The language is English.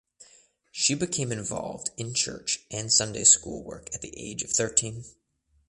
She became involved in church and Sunday school work at the age of thirteen.